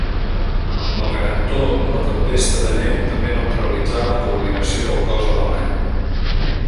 Malgrat tot, la tempesta de neu també neutralitzà la coordinació del cos alemany.